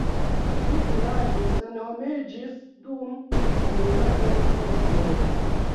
Tiu vilaĝo senhomiĝis dum dominado de turkoj.